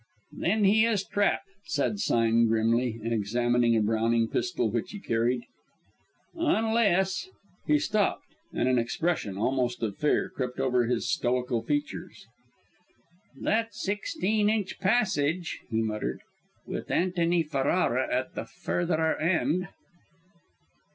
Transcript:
"Then he is trapped!" said Sime grimly, examining a Browning pistol which he carried. "Unless " He stopped, and an expression, almost of fear, crept over his stoical features. "That sixteen inch passage," he muttered "with Antony Ferrara at the further end!"